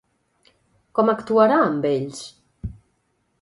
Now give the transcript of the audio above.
Com actuarà amb ells?